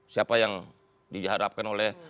siapa yang dihadapkan oleh